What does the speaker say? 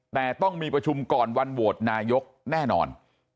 แต่ต้องมีประชุมก่อนวันโหวตนายกแน่นอน